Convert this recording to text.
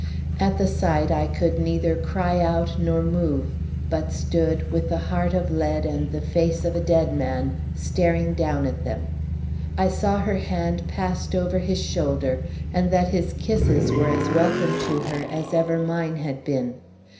At the sight I could neither cry out nor move, but stood, with a heart of lead and the face of a dead man, staring down at them. I saw her hand passed over his shoulder, and that his kisses were as welcome to her as ever mine had been.